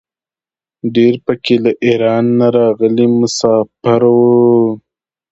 ډېر په کې له ایران نه راغلي مساپر وو.